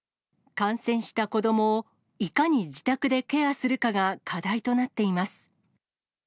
感染した子どもを、いかに自宅でケアするかが課題となっています。